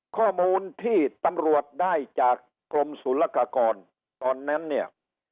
ข้อมูลที่ตำรวจได้จากกรมศูนยากากรตอนนั้นเนี่ย